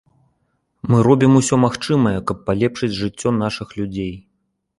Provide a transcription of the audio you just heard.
Мы робім усё магчымае, каб палепшыць жыццё нашых людзей.